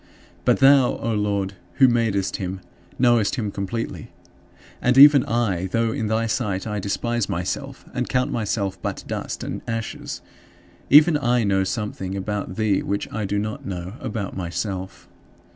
But thou, O Lord, who madest him, knowest him completely. And even I though in thy sight I despise myself and count myself but dust and ashes even I know something about thee which I do not know about myself.